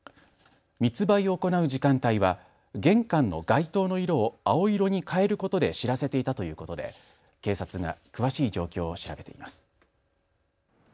密売を行う時間帯は玄関の外灯の色を青色に変えることで知らせていたということで警察が詳しい状況を調べています。